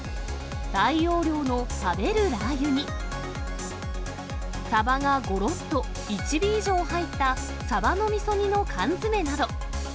大容量の食べるラー油に、サバがごろっと１尾以上入ったサバのみそ煮の缶詰めなど。